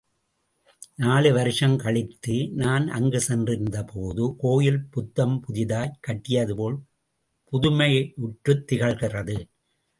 நாலு வருஷம் கழித்து நான் அங்கு சென்றிருந்த போது, கோயில் புத்தம் புதிதாய் கட்டியது போல் புதுமையுற்றுத் திகழ்கிறது.